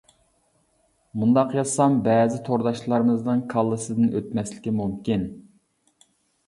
مۇنداق يازسام بەزى تورداشلىرىمىزنىڭ كاللىسىدىن ئۆتمەسلىكى مۇمكىن.